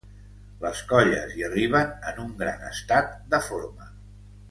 les colles hi arriben en un gran estat de forma